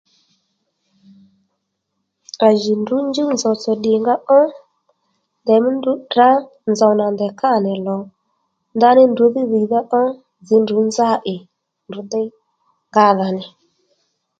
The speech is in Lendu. À jì ndrǔ njúw nzòw tsò ddǐnga ó ndèymí ndrǔ tdrǎ nzòw nà ndèy kâ nì lò ndaní ndrǔ dhí dhìydha ó nzǐ ndrǔ nzá ì ndrǔ déy ngadha ní